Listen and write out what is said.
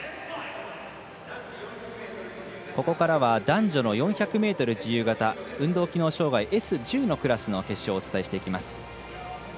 ここからは男女の４００ｍ自由形運動機能障がいＳ１０のクラスの決勝をお伝えしていきます。